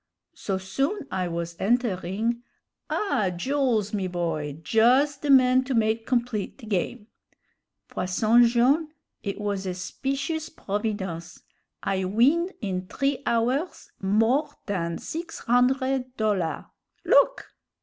So soon I was entering 'Ah! Jules, me boy, juz the man to make complete the game!' Posson Jone', it was a specious providence! I win in t'ree hours more dan six hundred dollah! Look."